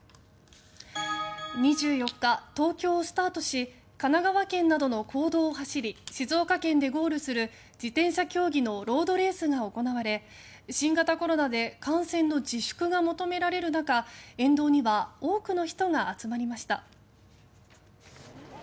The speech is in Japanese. ２４日、東京をスタートし神奈川県などの公道を走り静岡県でゴールする自転車競技のロードレースが行われ新型コロナで観戦の自粛が求められる中沿道には多くの人が集まりました。